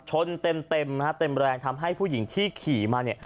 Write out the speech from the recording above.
ชนเต็มเต็มแรงทำให้ผู้หญิงที่ขี่มา